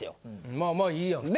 まあまあいいやん普通。